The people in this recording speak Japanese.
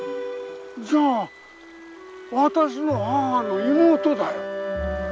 じゃあ私の母の妹だよ。